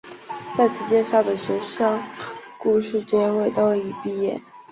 在此介绍的学生故事结尾都已毕业。